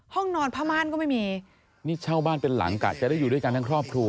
ห้องนอนผ้าม่านก็ไม่มีนี่เช่าบ้านเป็นหลังกะจะได้อยู่ด้วยกันทั้งครอบครัว